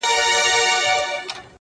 o اوښکي نه راتویومه خو ژړا کړم.